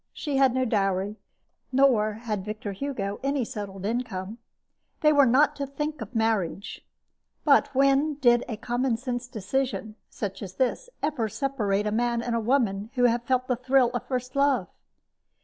She had no dowry, nor had Victor Hugo any settled income. They were not to think of marriage. But when did a common sense decision, such as this, ever separate a man and a woman who have felt the thrill of first love!